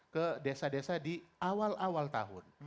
ke desa desa di awal awal tahun